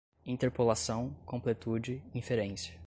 interpolação, completude, inferência